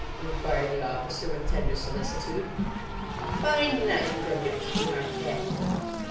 inquired the officer, with tender solicitude. "A fine night, Perkins," remarked Hatton.